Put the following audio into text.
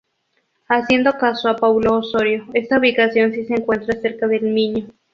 Haciendo caso a Paulo Osorio esta ubicación si se encuentra cerca del miño.